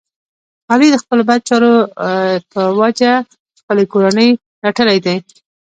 علی د خپلو بد چارو په جه خپلې کورنۍ رټلی دی.